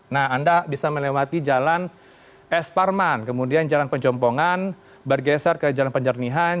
nah anda bisa melewati jalan es parman kemudian jalan penjompongan bergeser ke jalan penjernihan